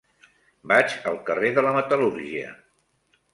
Vaig al carrer de la Metal·lúrgia.